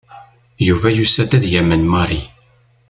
Yuba yusa-d ad yamen Mary.